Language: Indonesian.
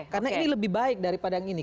karena ini lebih baik daripada yang ini